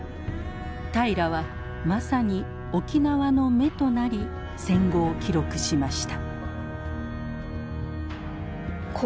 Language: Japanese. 平良はまさに沖縄の眼となり戦後を記録しました。